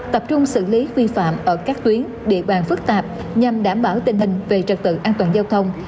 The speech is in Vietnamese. đối với phi phạm ở các tuyến địa bàn phức tạp nhằm đảm bảo tình hình về trật tự an toàn giao thông